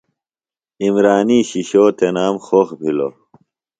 عمرانی شِشو تنام خوخ بِھلوۡ۔